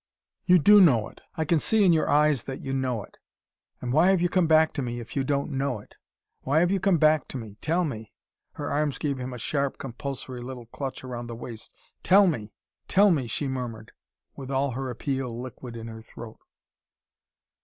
"You DO know it. I can see in your eyes that you know it. And why have you come back to me, if you don't know it! Why have you come back to me? Tell me!" Her arms gave him a sharp, compulsory little clutch round the waist. "Tell me! Tell me!" she murmured, with all her appeal liquid in her throat.